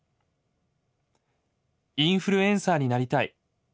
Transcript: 「インフルエンサーになりたい。